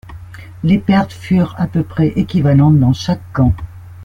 Les pertes furent à peu près équivalentes dans chaque camp.